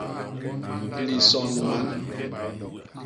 Lison man.